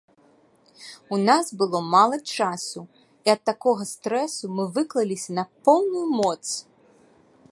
У нас было мала часу і ад такога стрэсу мы выклаліся на поўную моц!